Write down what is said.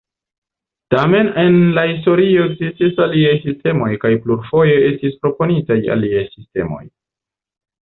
Tamen en la historio ekzistis aliaj sistemoj kaj plurfoje estis proponitaj aliaj sistemoj.